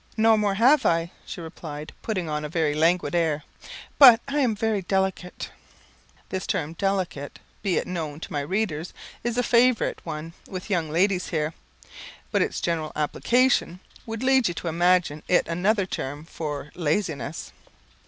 "No more I have," she replied, putting on a very languid air, "but I am very delicate." This term delicate, be it known to my readers is a favourite one with young ladies here, but its general application would lead you to imagine it another term for laziness.